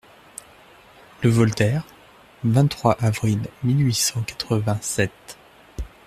LE VOLTAIRE, vingt-trois avril mille huit cent quatre-vingt-sept.